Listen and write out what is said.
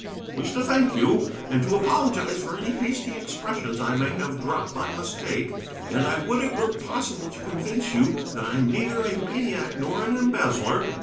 I wish to thank you, and to apologize for any hasty expressions I may have dropped by mistake, and I would it were possible to convince you that I am neither a maniac nor an embezzler.